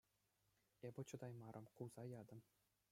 Эпӗ чӑтаймарӑм, кулса ятӑм.